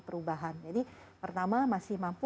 perubahan jadi pertama masih mampu